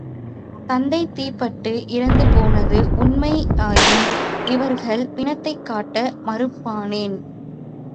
தத்தை தீப்பட்டு இறந்து போனது உண்மையாயின் இவர்கள் பிணத்தைக் காட்ட மறுப்பானேன்?